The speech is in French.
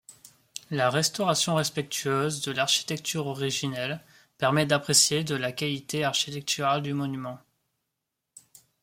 La restauration respectueuse de l'architecture originelle, permet d'apprécier de la qualité architecturale du monument.